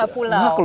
emak lu lah pulau